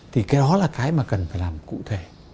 thì cái đó là cái mà cần phải làm cụ thể